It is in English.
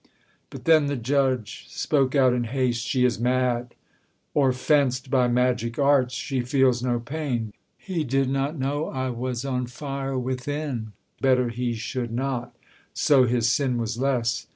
But then the judge spoke out in haste: 'She is mad, Or fenced by magic arts! She feels no pain!' He did not know I was on fire within: Better he should not; so his sin was less.